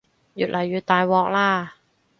越嚟越大鑊喇